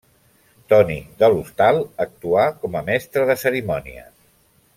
Toni de l'Hostal actuà com a mestre de cerimònies.